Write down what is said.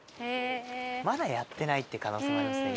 まだやってないって可能性もありますね。